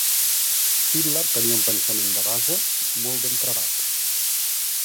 Hitler tenia un pensament de base molt ben travat.